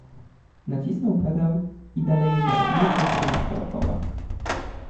Nacisnął pedał i dalejże objeżdżać rynek dokoła.